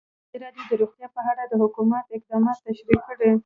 ازادي راډیو د روغتیا په اړه د حکومت اقدامات تشریح کړي.